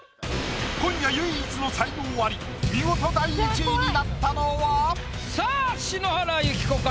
今夜唯一の才能アリ見事第１位になったのは⁉さあ篠原ゆき子か？